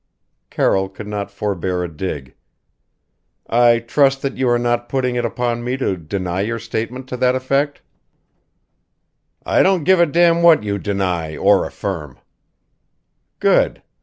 Carroll could not forbear a dig: "I trust that you are not putting it upon me to deny your statement to that effect." "I don't give a damn what you deny or affirm." "Good!